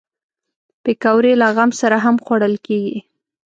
پکورې له غم سره هم خوړل کېږي